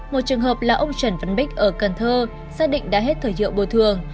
một trường hợp là ông trần văn bích ở cần thơ xác định đã hết thời hiệu bồi thường